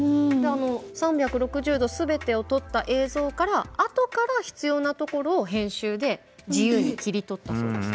３６０度全てを撮った映像から後から必要な所を編集で自由に切り取ったそうです。